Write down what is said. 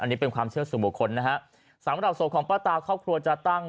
อันนี้เป็นความเชื่อสู่บุคคลนะฮะสำหรับศพของป้าตาครอบครัวจะตั้ง